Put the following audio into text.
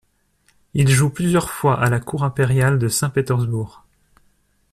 Il joue plusieurs fois à la cour impériale de Saint-Pétersboug.